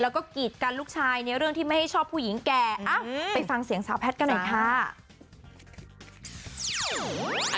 แล้วก็กีดกันลูกชายในเรื่องที่ไม่ให้ชอบผู้หญิงแก่ไปฟังเสียงสาวแพทย์กันหน่อยค่ะ